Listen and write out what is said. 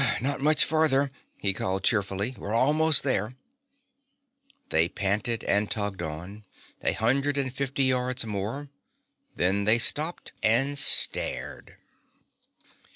"Not much farther," he called cheerfully. "We're almost there." They panted and tugged on, a hundred and fifty yards more. Then they stopped and stared.